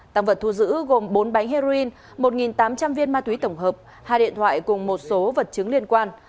tăng vật thu giữ gồm bốn bánh heroin một tám trăm linh viên ma túy tổng hợp hai điện thoại cùng một số vật chứng liên quan